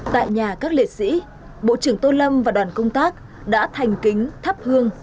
tại nhà các liệt sĩ bộ trưởng tô lâm và đoàn công tác đã thành kính thắp hương